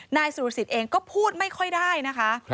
นายสุรสิทธิ์เองก็พูดไม่ค่อยได้นะคะ